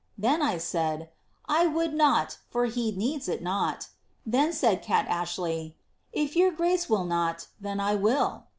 Then I said, * I would not, for be needs it not.' Then said Kat Ashley, * If your grace will not, then will I.'